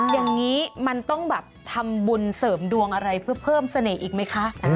อย่างนี้มันต้องแบบทำบุญเสริมดวงอะไรเพื่อเพิ่มเสน่ห์อีกไหมคะ